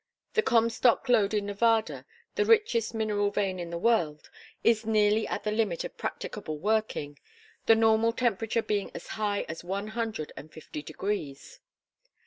The Comstock lode in Nevada, the richest mineral vein in the world, is nearly at the limit of practicable working, the normal temperature being as high as one hundred and fifty degrees.